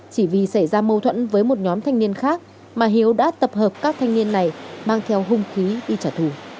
chỉ vì xảy ra mâu thuẫn với một nhóm thanh niên khác mà hiếu đã tập hợp các thanh niên này mang theo hung khí đi trả thù